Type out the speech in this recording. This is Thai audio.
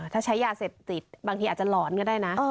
ถ้าใช้ยาเสพติดบางทีอาจจะหลอนก็ได้นะ